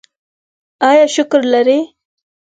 ایا شکر لرئ؟